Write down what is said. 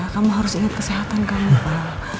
kamu harus ingat kesehatan kamu pak